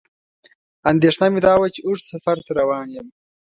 اندېښنه مې دا وه چې اوږد سفر ته روان یم.